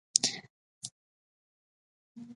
ته کنګڼ ،سيره، پايل، لاسبندي پيژنې